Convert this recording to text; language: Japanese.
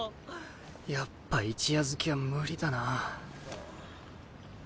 やっぱ一夜漬けは無理だな。